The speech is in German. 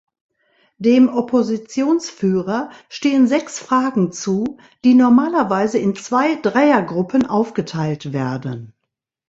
Dem Oppositionsführer stehen sechs Fragen zu, die normalerweise in zwei Dreiergruppen aufgeteilt werden.